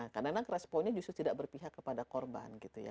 karena responnya justru tidak berpihak kepada korban